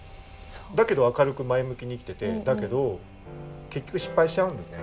だけど明るく前向きに生きててだけど結局失敗しちゃうんですね。